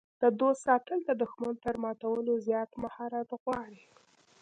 د دوست ساتل د دښمن تر ماتولو زیات مهارت غواړي.